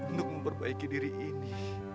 untuk memperbaiki diri ini